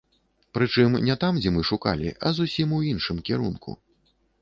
Прычым не там, дзе мы шукалі, а зусім у іншым кірунку.